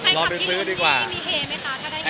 รอไปซื้อดีกว่าครับ